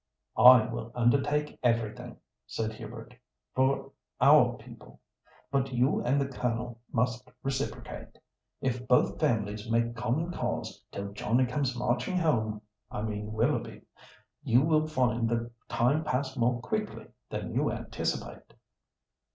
"I will undertake everything," said Hubert, "for our people, but you and the Colonel must reciprocate. If both families make common cause till 'Johnny comes marching home'—I mean Willoughby—you will find the time pass more quickly than you anticipate."